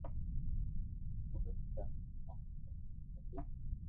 اووي جايون ڪوم ڪرو ھين رھيو